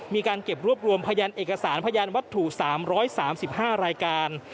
มีการเก็บรวบรวมพยานเอกสารพยานวัตถุ๓๓๕รายการ